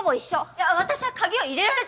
いや私は鍵を入れられて。